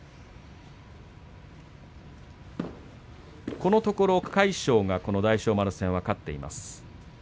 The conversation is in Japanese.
このところ魁勝がこの大翔丸戦は勝っています。